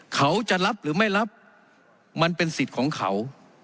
เขาจะรับหรือไม่รับมันเป็นสิทธิ์ของเขา